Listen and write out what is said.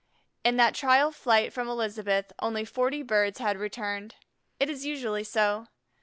In that trial flight from Elizabeth only forty birds had returned. It is usually so.